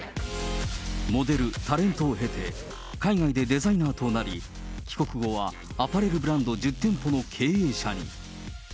モデル、タレントを経て、海外でデザイナーとなり、帰国後はアパレルブランド１０店舗の経営者に。